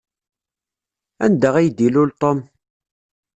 Anda ay d-ilul Tom?